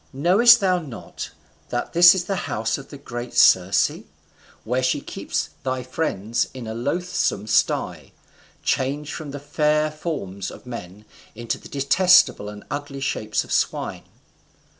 knowest thou not that this is the house of great Circe, where she keeps thy friends in a loathsome sty, changed from the fair forms of men into the detestable and ugly shapes of swine?